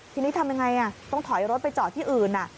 ทีนี้ทำยังไงต้องถอยรถไปจอดที่อื่น